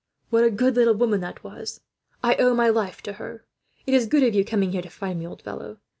What a good little woman that was! I owe my life to her. "It is good of you coming here to find me, old fellow.